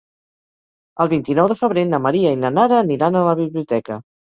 El vint-i-nou de febrer na Maria i na Nara aniran a la biblioteca.